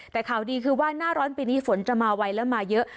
แต่ข่าวดีคือว่าหน้าร้อนปีนี้ฝนจะมาไวและมาเยอะ